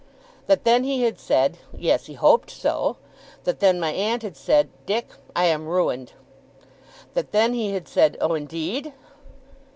That then he had said, Yes, he hoped so. That then my aunt had said, 'Dick, I am ruined.' That then he had said, 'Oh, indeed!